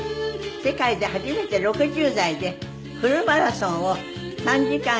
世界で初めて６０代でフルマラソンを３時間以内で完走した女性。